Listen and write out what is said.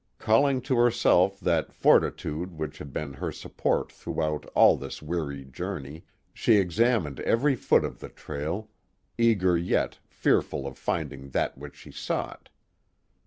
Calling to herself that forti tude which had been her support throughout all this weary journey, she examined every foot of the trail, eager yet fear ful of finding that which she sought.